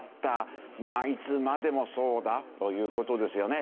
まあいつまでもそうだという事ですよね。